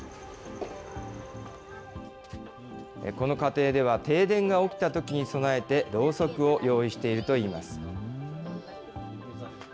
この家庭では、停電が起きたときに備えて、ろうそくを用意しているといいます。